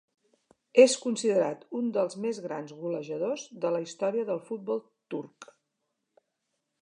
És considerat un dels més grans golejadors de la història del futbol turc.